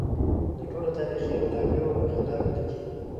د ټولو تاریخي منابعو په خلاف لیکي.